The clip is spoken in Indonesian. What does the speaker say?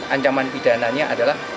ancaman pidananya adalah